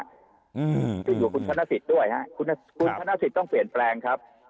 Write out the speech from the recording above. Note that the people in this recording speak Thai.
อยู่กับคุณธนสิทธิ์ด้วยฮะคุณธนสิทธิ์ต้องเปลี่ยนแปลงครับ